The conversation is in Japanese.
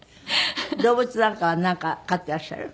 動物なんかはなんか飼っていらっしゃる？